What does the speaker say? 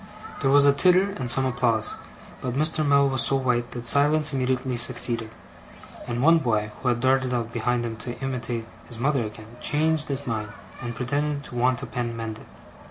There was a titter, and some applause; but Mr. Mell was so white, that silence immediately succeeded; and one boy, who had darted out behind him to imitate his mother again, changed his mind, and pretended to want a pen mended.